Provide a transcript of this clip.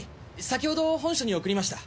先ほど本署に送りました。